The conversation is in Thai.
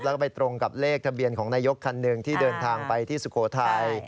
แล้วก็ไปตรงกับเลขทะเบียนของนายกคันหนึ่งที่เดินทางไปที่สุโขทัย